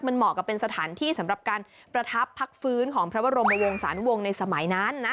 มันเหมาะกับเป็นสถานที่สำหรับการประทับพักฟื้นของพระบรมวงศาลวงศ์ในสมัยนั้นนะ